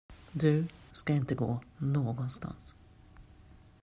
Du ska inte gå någonstans.